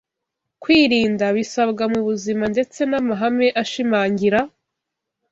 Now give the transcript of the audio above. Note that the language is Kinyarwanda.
kwirinda bisabwa mu buzima ndetse n’amahame ashimangira